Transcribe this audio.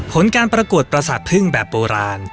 ผลการประกวดประสาทพึ่งแบบโบราณ